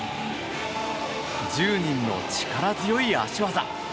１０人の力強い脚技。